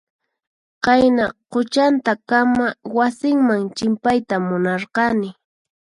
Qayna quchantakama wasinman chimpayta munarqani.